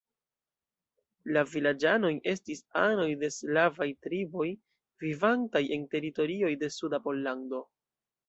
La vilaĝanoj estis anoj de slavaj triboj, vivantaj en teritorioj de suda Pollando.